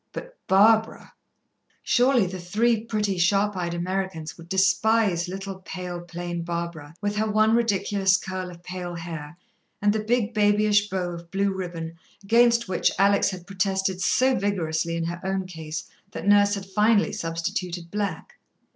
But Barbara! Surely the three pretty, sharp eyed Americans would despise little, pale, plain Barbara, with her one ridiculous curl of pale hair, and the big, babyish bow of blue ribbon against which Alex had protested so vigorously in her own case that Nurse had finally substituted black.